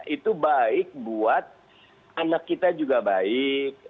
itu baik buat anak kita juga baik